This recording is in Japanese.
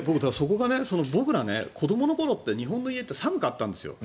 僕ら、子どもの頃って日本の家って寒かったんです。